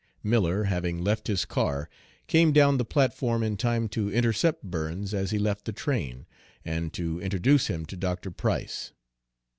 Miller, having left his car, came down the platform in time to intercept Burns as he left the train, and to introduce him to Dr. Price.